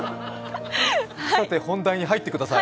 本題に入ってください。